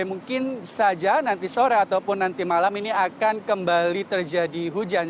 mungkin saja nanti sore ataupun nanti malam ini akan kembali terjadi hujan